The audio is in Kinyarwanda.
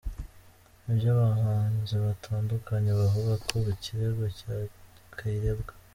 Ibyo abahanzi batandukanye bavuga ku kirego cya Kayirebwa